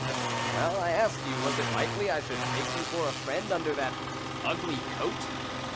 " Well, I ask you, was it likely I should take you for a friend under that ugly coat